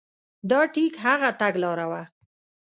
دا ټیک هغه تګلاره وه.